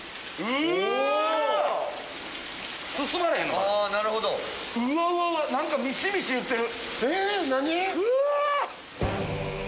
うわ！